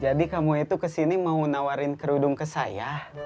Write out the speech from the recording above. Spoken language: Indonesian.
jadi kamu itu kesini mau nawarin kerudung ke saya